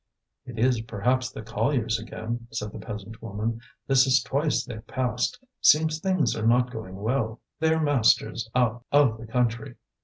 "It is perhaps the colliers again," said the peasant woman. "This is twice they've passed. Seems things are not going well; they're masters of the country."